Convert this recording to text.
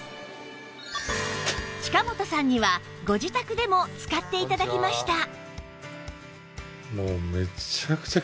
近本さんにはご自宅でも使って頂きました